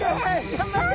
頑張って！